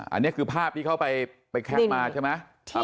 อันนี้คือภาพที่เขาไปแคปมาใช่ไหม